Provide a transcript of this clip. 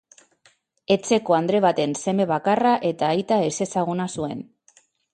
Etxeko andre baten seme bakarra eta aita ezezaguna zuen.